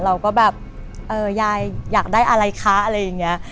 เราก็แบบเออยายอยากได้อะไรคะอะไรอย่างนี้